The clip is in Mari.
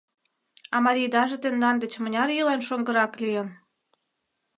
— А марийдаже тендан деч мыняр ийлан шоҥгырак лийын?